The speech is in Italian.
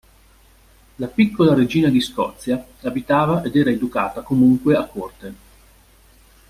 La piccola regina di Scozia abitava ed era educata comunque a corte.